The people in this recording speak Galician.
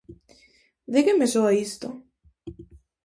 De que me soa isto?